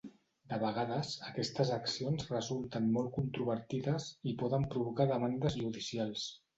De vegades, aquestes accions resulten molt controvertides, i poden provocar demandes judicials.